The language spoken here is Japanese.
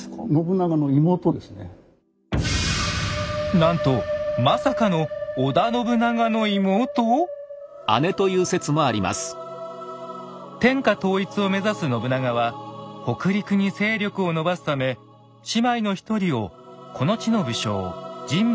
なんとまさかの織田信長の妹⁉天下統一を目指す信長は北陸に勢力を伸ばすため姉妹の一人をこの地の武将神保